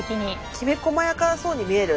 きめこまやかそうに見える。